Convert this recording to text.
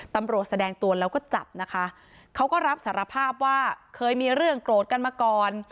ตำรวจแสดงตัวแล้วก็จับนะคะเขาก็รับสารภาพว่าเคยมีเรื่องโกรธกันมาก่อน